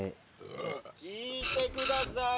「ちょっと聞いて下さい！